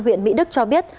huyện mỹ đức cho biết